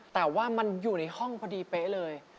แต่ว่ามันอยู่ในห้องพอดีเป๊ะเลย